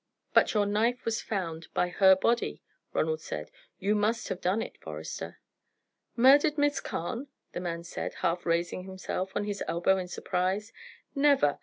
"But your knife was found by her body," Ronald said. "You must have done it, Forester." "Murdered Miss Carne!" the man said, half raising himself on his elbow in surprise. "Never.